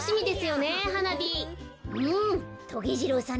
うん。